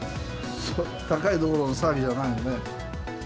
高いどころの騒ぎじゃないよね。